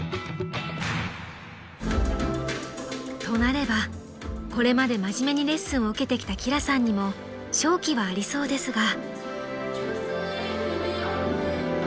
［となればこれまで真面目にレッスンを受けてきた輝さんにも勝機はありそうですが］